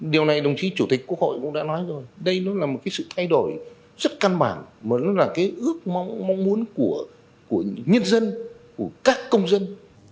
điều này đồng chí chủ tịch quốc hội cũng đã nói rồi đây là một sự thay đổi rất căn bản mà nó là ước mong mong muốn của nhân dân của các công dân